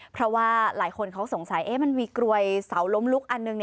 เพราะว่าหลายคนเขาสงสัยมันมีกลวยเสาล้มลุกอันหนึ่ง